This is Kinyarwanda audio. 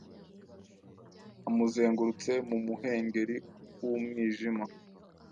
amuzengurutse mu muhengeri W'umwijima